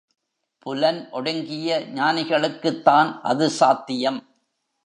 புலன் ஒடுங்கிய ஞானிகளுக்குத்தான் அது சாத்தியம்.